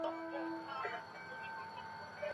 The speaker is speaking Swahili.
Hivi naomba kwa unyenyekevu mkubwa